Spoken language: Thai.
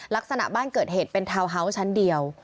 ลักษณะบ้านเกิดเหตุเป็นทาวน์ฮาวส์ชั้นเดียว